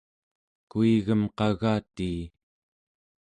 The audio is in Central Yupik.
kuigem qagatii